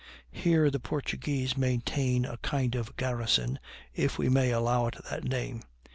Here the Portuguese maintain a kind of garrison, if we may allow it that name.